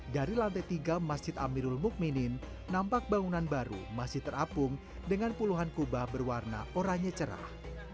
dari lantai tiga masjid amirul mukminin nampak bangunan baru masih terapung dengan puluhan kubah berwarna oranye cerah